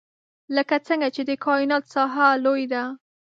لکه څنګه چې د کاینات ساحه لوی ده.